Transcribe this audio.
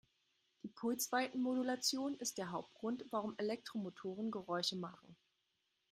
Die Pulsweitenmodulation ist der Hauptgrund, warum Elektromotoren Geräusche machen.